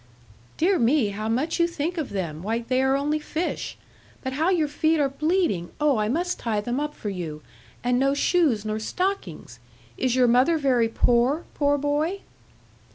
'Dear me, how much you think of them! Why, they are only fish. But how your feet are bleeding! oh, I must tie them up for you. And no shoes nor stockings! Is your mother very poor, poor boy?'